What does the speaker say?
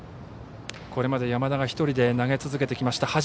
これまで山田が１人で投げ続けてきました。